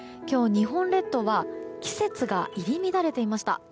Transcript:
今日、日本列島は季節が入り乱れていました。